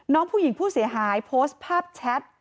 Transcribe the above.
น้องผู้หญิงผู้เสียหายโพสต์ภาพแชท